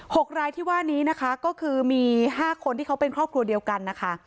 ๖รายที่ว่านี้นะคะก็คือมีห้าคนที่เขาเป็นครอบครัวเดียวกันนะคะ